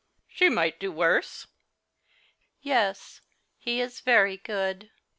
She might do worse," " Yes, he is very good."